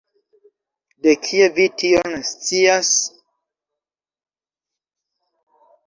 De kie vi tion scias?